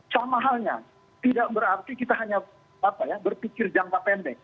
sama halnya tidak berarti kita hanya berpikir jangka pendek